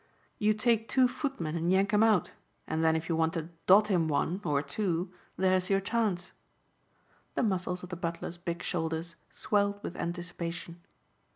You take two footmen and yank him out and then if you want to 'dot him one' or two, there's your chance." The muscles of the butler's big shoulders swelled with anticipation.